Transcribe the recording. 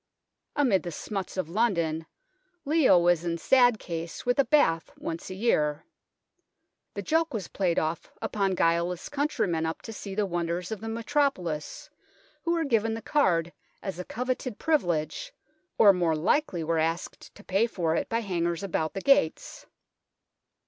Amid the smuts of London, Leo was in sad case with a bath once a year. The joke was played off upon guileless countrymen up to see the wonders of the metropolis, who were given the card as a coveted privilege or more likely were asked to pay for it by hangers about the gates.